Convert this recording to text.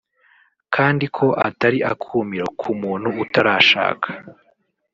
kandi ko atari akumiro ku muntu utarashaka